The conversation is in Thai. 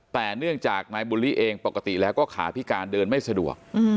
แต่เนื่องจากนายบุริเองปกติแล้วก็ขาพิการเดินไม่สะดวก